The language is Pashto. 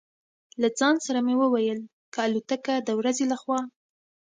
له ځان سره مې وویل: که الوتکه د ورځې له خوا.